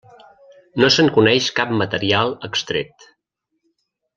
No se'n coneix cap material extret.